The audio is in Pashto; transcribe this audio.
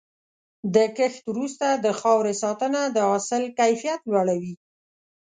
د کښت وروسته د خاورې ساتنه د حاصل کیفیت لوړوي.